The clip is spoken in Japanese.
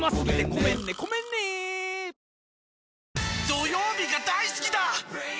土曜日が大好きだー！